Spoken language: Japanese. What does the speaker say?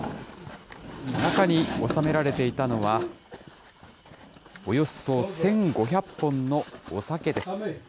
中に収められていたのは、およそ１５００本のお酒です。